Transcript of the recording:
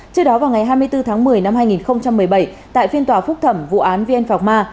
trước đó vào ngày hai mươi bốn tháng một mươi năm hai nghìn một mươi bảy tại phiên tòa phúc thẩm vụ án vn phạc ma